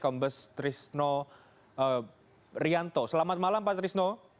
kombes trisno rianto selamat malam pak trisno